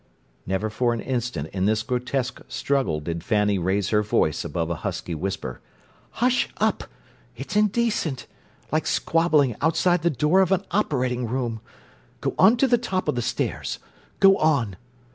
Never for an instant in this grotesque struggle did Fanny raise her voice above a husky whisper. "Hush up! It's indecent—like squabbling outside the door of an operating room! Go on to the top of the stairs—go on!"